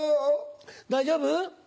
大丈夫？